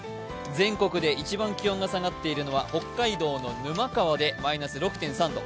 全国で一番気温が下がっているのは北海道の沼川でマイナス６．３度。